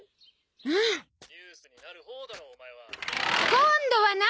今度は何？